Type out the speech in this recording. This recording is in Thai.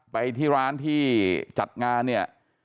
ไปที่ร้านที่จัดงานเนี่ย